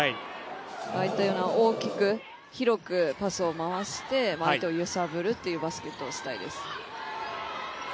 ああいったような大きく広くパスを回して、相手を揺さぶるっていうバスケットをしたいです。